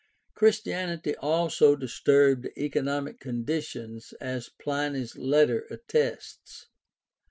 Christianity also disturbed economic conditions, as Pliny's letter attests.